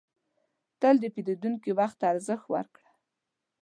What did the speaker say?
تل د پیرودونکي وخت ته ارزښت ورکړه.